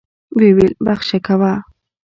ويې ويل بخښه کوه.